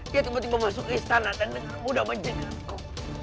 dia tiba tiba masuk ke istana dan mudah menjengkelku